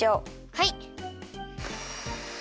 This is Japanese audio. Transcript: はい！